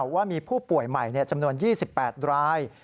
ว่ามีผู้ป่วยใหม่จำนวน๒๘ราย